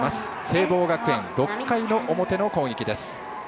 聖望学園、６回の表の攻撃です。